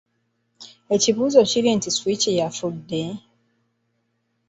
Ekibuuzo kiri nti Switch yafudde?